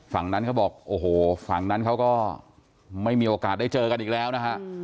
ฝั่งนั้นเขาบอกโอ้โหฝั่งนั้นเขาก็ไม่มีโอกาสได้เจอกันอีกแล้วนะฮะ